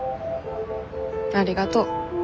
ありがと。